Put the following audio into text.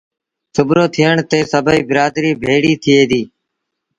سُڀورو ٿيڻ تي سڀئيٚ برآدريٚ ڀيڙيٚ ٿئي ديٚ